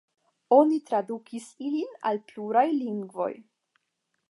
Oni tradukis ilin al pluraj lingvoj.